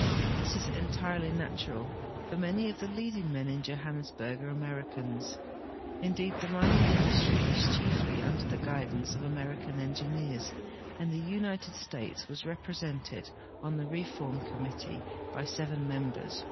This is entirely natural, for many of the leading men in Johannesburg are Americans ; indeed, the mining industry is chieily under the guidance of American engineers, and the United States was represented on the reform committee by seven mem bers.